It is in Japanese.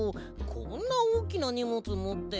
こんなおおきなにもつもって。